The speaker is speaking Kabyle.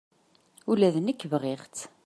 Ula d nekk bɣiɣ-tt.